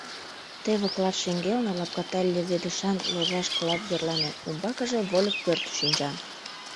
Тиде клат шеҥгелне лапката леведышан ложаш клат верланен, умбакыже вольык пӧрт шинча.